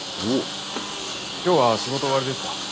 今日は仕事終わりですか？